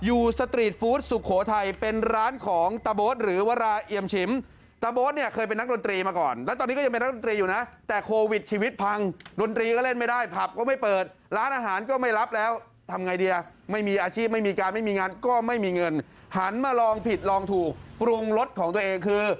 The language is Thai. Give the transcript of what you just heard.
สตรีทฟู้ดสุโขทัยเป็นร้านของตะโบ๊ทหรือวราเอียมชิมตะโบ๊ทเนี่ยเคยเป็นนักดนตรีมาก่อนแล้วตอนนี้ก็ยังเป็นนักดนตรีอยู่นะแต่โควิดชีวิตพังดนตรีก็เล่นไม่ได้ผับก็ไม่เปิดร้านอาหารก็ไม่รับแล้วทำไงดีอ่ะไม่มีอาชีพไม่มีการไม่มีงานก็ไม่มีเงินหันมาลองผิดลองถูกปรุงรสของตัวเองคือ